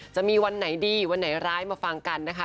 จะมีวันไหนดีวันไหนร้ายมาฟังกันนะคะ